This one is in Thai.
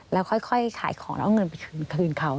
แล้วค่อยขายของแล้วเอาเงินไปคืนเขา